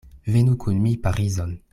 Venu kun mi Parizon.